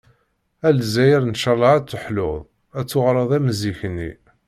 "A Lzzayer ncalleh ad teḥluḍ, ad tuɣaleḍ am zik-nni.